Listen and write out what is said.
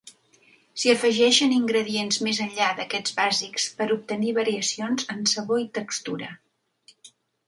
S'hi afegeixen ingredients més enllà d'aquests bàsics per obtenir variacions en sabor i textura.